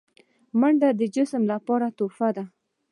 منډه د جسم لپاره تحفه ده